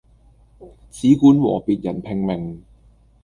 只管和別人拼命